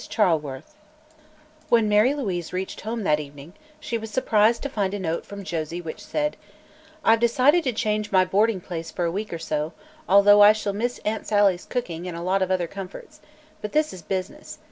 CHARLEWORTH When Mary Louise reached home that evening she was surprised to find a note from Josie which said: "I've decided to change my boarding place for a week or so, although I shall miss Aunt Sally's cooking and a lot of other comforts. But this is business.